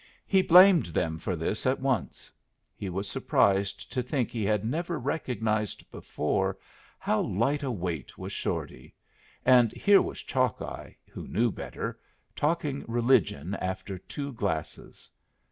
He blamed them for this at once. He was surprised to think he had never recognized before how light a weight was Shorty; and here was Chalkeye, who knew better, talking religion after two glasses.